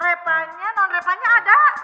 repanya non repanya ada